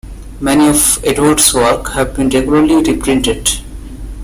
Many of Edwards' works have been regularly reprinted.